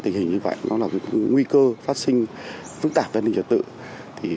tình hình như vậy nó là nguy cơ phát sinh phức tạp về an ninh trật tự